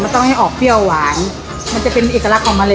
ต้องให้ออกเปรี้ยวหวานมันจะเป็นเอกลักษณ์ของมันเลย